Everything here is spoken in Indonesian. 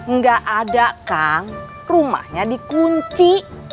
nggak ada kang rumahnya dikunci